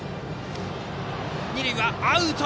二塁はアウト！